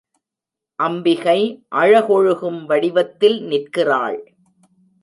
அம்பிகை அழகொழுகும் வடிவத்தில் நிற்கிறாள்.